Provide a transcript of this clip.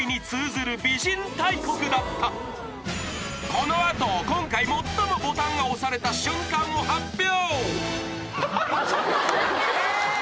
このあと今回最もボタンが押された瞬間を発表